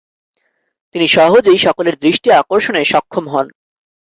তিনি সহজেই সকলের দৃষ্টি আকর্ষনে সক্ষম হন।